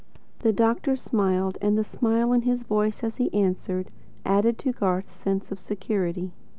The doctor smiled; and the smile in his voice as he answered, added to Garth's sense of security.